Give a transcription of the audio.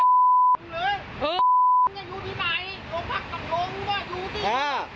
เอออยู่ที่ไหนโรงพักกับโรงก็อยู่ที่อ่า